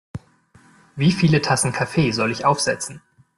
Wie viele Tassen Kaffee soll ich aufsetzen?